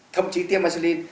thậm chí tiêm insulin